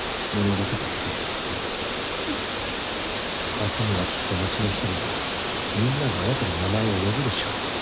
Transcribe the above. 明日にはきっと町の人々みんながあなたの名前を呼ぶでしょう。